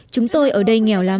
chúng tôi ở đây nghèo lắm